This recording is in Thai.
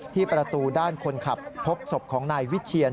ประตูด้านคนขับพบศพของนายวิเชียน